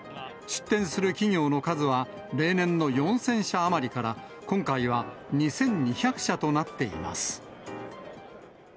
出展する企業の数は、例年の４０００社余りから今回は２２００社となっています。